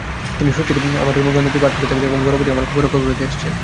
তিনি সস্ত্রীক আমার গ্রন্থাদি পাঠ করে থাকেন এবং বরাবরই আমার খবরাখবর রেখে আসছেন।